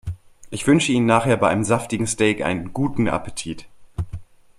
Ich wünsche Ihnen nachher bei einem saftigen Steak einen guten Appetit!